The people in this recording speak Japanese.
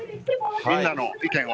みんなの意見を。